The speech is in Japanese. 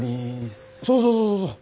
そうそうそうそうそう。